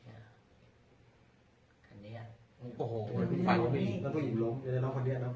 อันนี้ยัง